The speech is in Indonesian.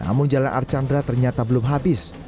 namun jalan archandra ternyata belum habis